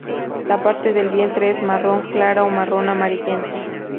La parte del vientre es marrón clara o marrón amarillenta.